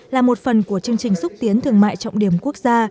là một phần của chương trình xúc tiến thương mại trọng điểm quốc gia